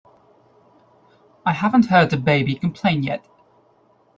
I haven't heard the baby complain yet.